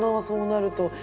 そうなると。